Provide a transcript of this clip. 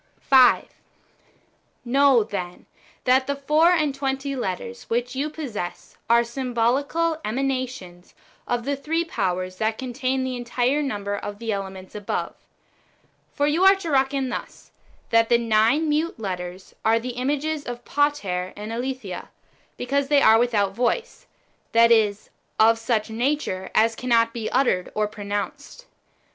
5. Know, then, that the four and tw^enty letters which you possess are symbolical emanations of the three powers that contain the entire number of the elements above. For you are to reckon thus — that the nine mute^ letters are [the images] of Pater and Aletheia, because they are without voice, that is, of such a nature as cannot be uttered or pro nounced.